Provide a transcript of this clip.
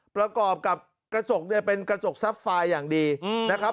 ประกอบกับกระจกเนี้ยเป็นกระจกทรัพย์ฟายอย่างดีอืมนะครับ